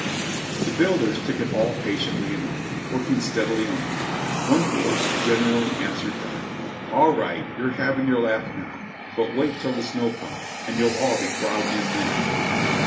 The builders took it all patiently enough, working steadily on. One voice generally answered back : "All right; you're having you're laugh now; but wait till the snow comes, and you'll all be crowding in then."